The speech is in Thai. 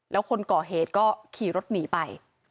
แล้วคนก่อเหตุก็ขี่รถหนีไป